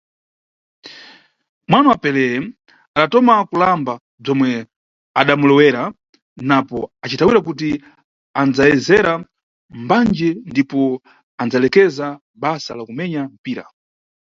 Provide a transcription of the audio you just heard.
Mwana wa Pelé adatoma kulamba bzwomwe adamulewera napo acitawira kuti adayezera mbandje ndipo adalekeza basa la kumenya mpira.